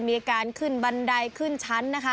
มีอาการขึ้นบันไดขึ้นชั้น